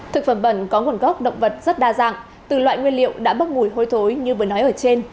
thực phẩm bẩn có nguồn gốc động vật rất đa dạng từ loại nguyên liệu đã bốc mùi hôi thối như vừa nói ở trên